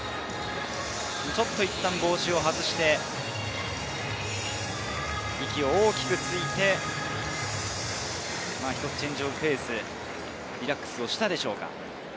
いったん帽子を外して、息を大きくついて、チェンジオブペース、リラックスしたでしょうか。